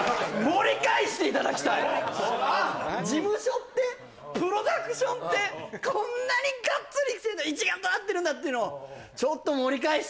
はいあっ事務所ってプロダクションってこんなにガッツリ一丸となってるんだっていうのをちょっとはいおい！